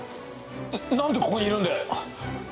何でここにいるんだよ